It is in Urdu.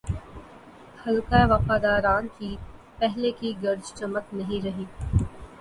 حلقۂ وفاداران کی پہلے کی گرج چمک نہیںرہی۔